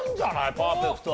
パーフェクト。